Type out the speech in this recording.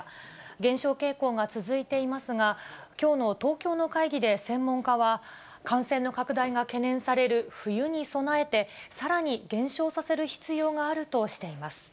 減少傾向が続いていますが、きょうの東京の会議で専門家は、感染の拡大が懸念される冬に備えて、さらに減少させる必要があるとしています。